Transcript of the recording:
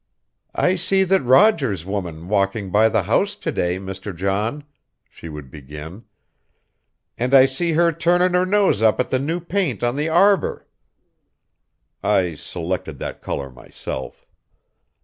"I see that Rogers woman walkin' by the house to day, Mr. John," she would begin, "and I see her turnin' her nose up at the new paint on the arbor." (I selected that color myself.)